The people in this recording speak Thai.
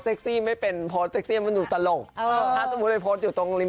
เจคกะลีนเอาบ้างไหมอะไรบ้างไหม